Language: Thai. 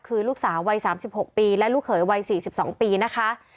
คือลูกสาววัย๓๖ปีและลูกเขยวัย๔๒ปีนะคะ